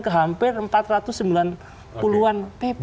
ke hampir empat ratus sembilan puluh an pp